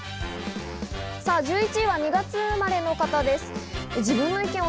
１１位は２月生まれの方です。